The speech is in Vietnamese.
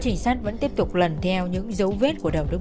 trình sát vẫn tiếp tục lần theo những dấu vết của đồng đức